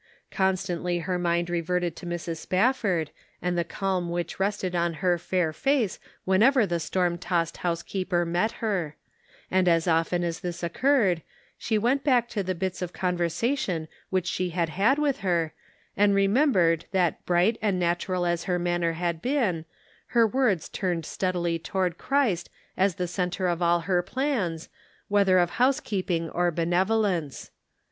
Constantly her mind reverted to Mrs. Spafford, and the calm which rested on her fair face whenever the storm tossed housekeeper met her ; and as often as 210 The Pocket Measure. this occurred, she went back to the bits of conversation which she had had with her, and remembered that bright and natural as her manner had been, her words turned steadily toward Christ as the centre of all her plans, whether of housekeeping or benevolence.